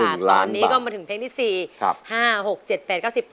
หนึ่งล้านบาทตอนนี้ก็มาถึงเพลงที่สี่ครับห้าหกเจ็ดแปดเก้าสิบ